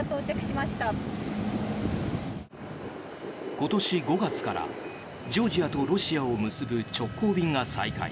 今年５月から、ジョージアとロシアを結ぶ直行便が再開。